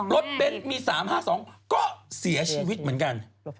เบ้นมี๓๕๒ก็เสียชีวิตเหมือนกัน